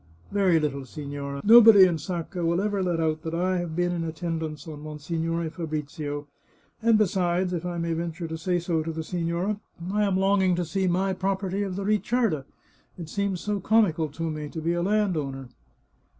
" Very little, signora. Nobody in Sacca will ever let out that I have been in attendance on Monsignore Fabrizio, and besides, if I may venture to say so to the signora, I am longing to see my property of the Ricciarda. It seems so comical to me to be a landowner."